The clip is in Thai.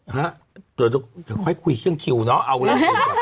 ฮะเดี๋ยวค่อยคุยเรื่องคิวเนาะเอาล่ะ